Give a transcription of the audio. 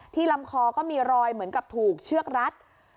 ลำคอก็มีรอยเหมือนกับถูกเชือกรัด